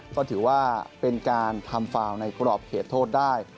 ก็ถือว่าเป็นการทำฟาวในกรอบเขตโทษได้